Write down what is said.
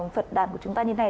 phật đàn của chúng ta như thế này